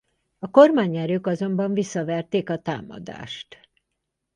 A kormányerők azonban visszaverték a támadást.